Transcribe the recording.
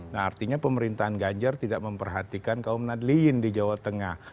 nah artinya pemerintahan ganjar tidak memperhatikan kaum nadliyin di jawa tengah